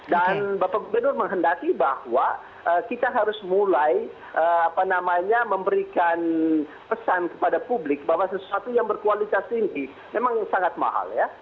dan bapak gubernur menghendaki bahwa kita harus mulai apa namanya memberikan pesan kepada publik bahwa sesuatu yang berkualitas ini memang sangat mahal ya